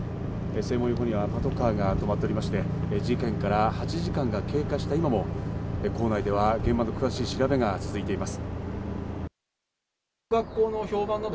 正門横にはパトカーが止まっておりまして、事件から８時間が経過した今も校内では現場の詳しい調べが続いています。